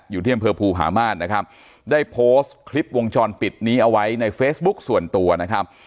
อยู่ที่อำเภอภูผาม่านนะครับได้โพสต์คลิปวงจรปิดนี้เอาไว้ในเฟซบุ๊คส่วนตัวนะครับ